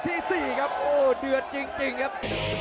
ที่๔ครับโอ้เดือดจริงครับ